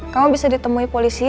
kamu bisa ditemui polisi